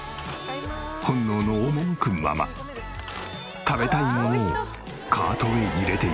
本能の赴くまま食べたいものをカートに入れていく。